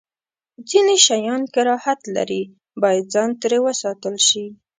ځینې شیان کراهت لري، باید ځان ترې وساتل شی.